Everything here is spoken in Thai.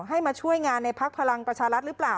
มาช่วยงานในพักพลังประชารัฐหรือเปล่า